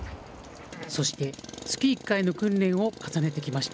そして月１回の訓練を重ねてきました。